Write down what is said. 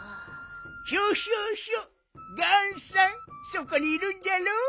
そこにいるんじゃろう。